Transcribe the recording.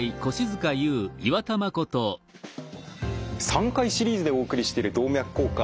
３回シリーズでお送りしている「動脈硬化」。